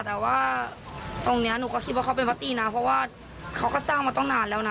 แต่ว่าตรงนี้หนูก็คิดว่าเขาเป็นพระตี้นะเพราะว่าเขาก็สร้างมาตั้งนานแล้วนะ